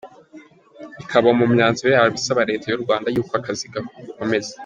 Ikaba mu myanzuro yayo isaba Leta y’u Rwanda y’uko akazi kakomeza.